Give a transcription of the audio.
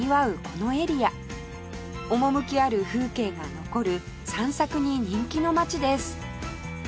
このエリア趣ある風景が残る散策に人気の街です